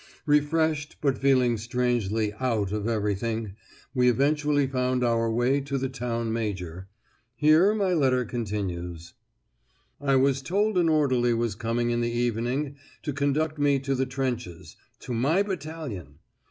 Refreshed, but feeling strangely "out" of everything, we eventually found our way to the town major. Here my letter continues: "I was told an orderly was coming in the evening to conduct me to the trenches, to my battalion!